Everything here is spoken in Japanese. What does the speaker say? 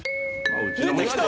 出てきた！